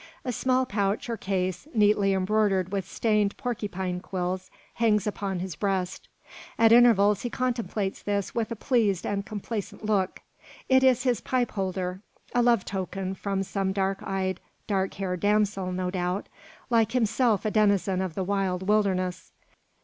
A small pouch or case, neatly embroidered with stained porcupine quills, hangs upon his breast. At intervals he contemplates this with a pleased and complacent look. It is his pipe holder: a love token from some dark eyed, dark haired damsel, no doubt, like himself a denizen of the wild wilderness.